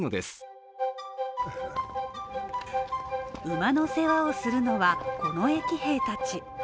馬の世話をするのは、近衛騎兵たち。